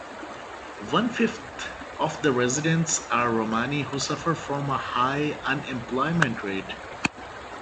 One fifth of the residents are Romani who suffer from a high unemployment rate.